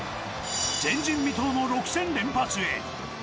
前人未到の６戦連発へ。